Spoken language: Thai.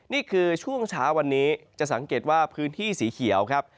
นี่คือช่วงเช้าวันนี้จะสังเกตว่าพื้นที่สีเขียวครับ